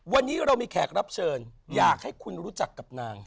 วันนี้เรามีแขกรับเชิญอยากให้คุณรู้จักกับนาง